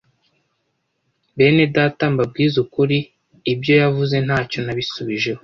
Benedata, mbabwize ukuri, ibyo yavuze ntacyo nasubijeho,